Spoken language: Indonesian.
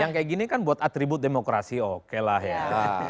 yang kayak gini kan buat atribut demokrasi okelah ya